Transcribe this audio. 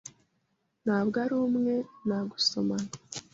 Ntabwo ari umwe, nta gusomana